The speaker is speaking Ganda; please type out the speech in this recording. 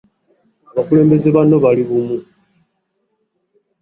Abakulembeze bonna bali bumu.